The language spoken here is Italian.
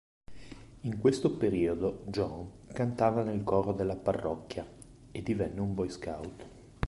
In questo periodo John cantava nel coro della parrocchia e divenne un boy scout.